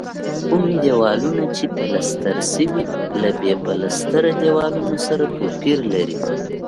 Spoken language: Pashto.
کوم دېوالونه چې پلستر شوي له بې پلستره دیوالونو سره توپیر لري.